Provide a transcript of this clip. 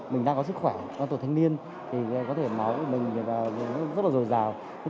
mình đang có sức khỏe con tôi thanh niên thì có thể máu của mình rất là dồi dào